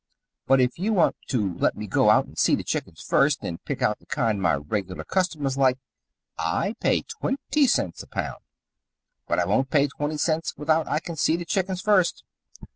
But, if you want to let me go out and see the chickens first, and pick out the kind my regular customers like, I pay twenty cents a pound. But I won't pay twenty cents without I can see the chickens first."